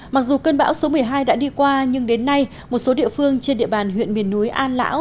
mặc dù cơn bão số một mươi hai đã đi qua nhưng đến nay một số địa phương trên địa bàn huyện miền núi an lão